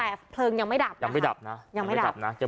แต่เผลิงยังไม่ดับนะยังไม่ดับนะ